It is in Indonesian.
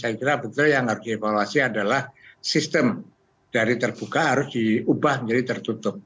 saya kira betul yang harus dievaluasi adalah sistem dari terbuka harus diubah menjadi tertutup